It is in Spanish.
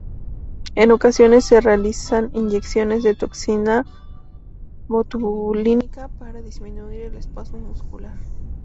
En ocasiones se realizan inyecciones de toxina botulínica para disminuir el espasmo muscular.